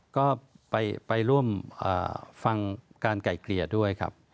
ก็ไปร่วมฟังการไก่เกลี่ยด้วยครับ